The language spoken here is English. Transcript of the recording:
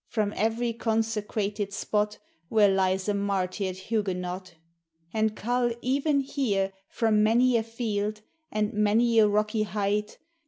From every consecrated spot Where lies a martyred Huguenot ; And cull, even here, from many a field, And many a rocky height.